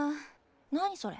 何それ。